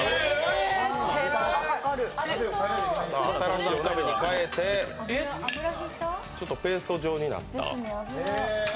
新しいお鍋にかえて、ちょっとペースト状になった？